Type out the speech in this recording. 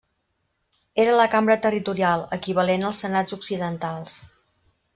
Era la cambra territorial, equivalent als senats occidentals.